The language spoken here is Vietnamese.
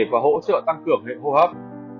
và hỗ trợ tăng cường hệ hô hấp